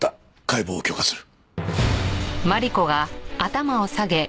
解剖を許可する。